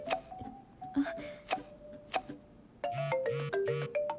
あっ。